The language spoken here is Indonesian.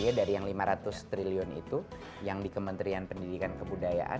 ya dari yang lima ratus triliun itu yang di kementerian pendidikan kebudayaan